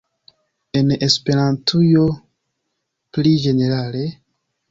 En Esperantujo pli ĝenerale?